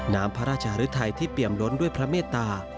น้ำพระราชหรือไทยที่เปี่ยมล้นด้วยพระเมตตา